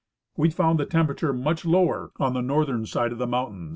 We found the temperature much lower on the north The Shores of the Arctic.